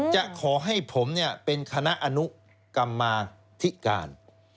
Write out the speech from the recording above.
จะขอให้ผมเป็นคณะอนุกรรมาธิการ